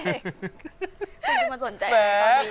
คุณจะมาสนใจอะไรตอนนี้